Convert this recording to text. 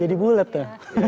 jadi bulat ya